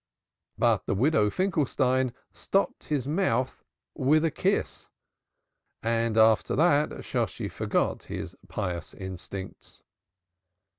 But the Widow Finkelstein stopped his mouth with a kiss. After that Shosshi forgot his pious instincts.